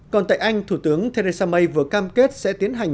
còn tại anh thủ tướng theresa may vừa cam kết sẽ tiến hành